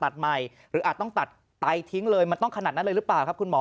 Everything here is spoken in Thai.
ใหม่หรืออาจต้องตัดไตทิ้งเลยมันต้องขนาดนั้นเลยหรือเปล่าครับคุณหมอ